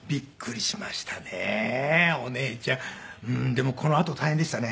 でもこのあと大変でしたね。